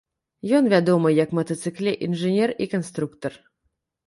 Ён вядомы як матацыкле інжынер і канструктар.